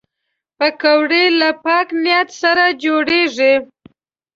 پکورې له پاک نیت سره جوړېږي